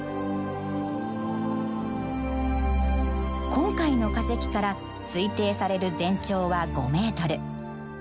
今回の化石から推定される全長は５ｍ。